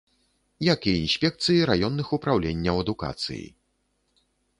Як і інспекцыі раённых упраўленняў адукацыі.